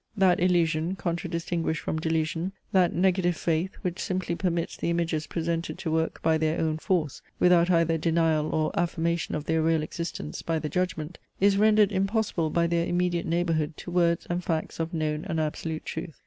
That illusion, contradistinguished from delusion, that negative faith, which simply permits the images presented to work by their own force, without either denial or affirmation of their real existence by the judgment, is rendered impossible by their immediate neighbourhood to words and facts of known and absolute truth.